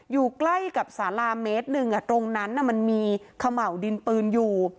อยู่ใกล้กับสาราเมตรหนึ่งตรงนั้นมันมีเขม่าวดินปืนอยู่